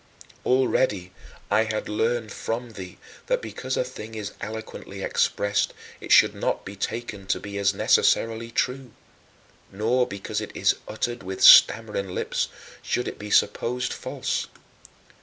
Already I had learned from thee that because a thing is eloquently expressed it should not be taken to be as necessarily true; nor because it is uttered with stammering lips should it be supposed false.